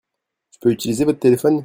Je peux utiliser votre téléphone ?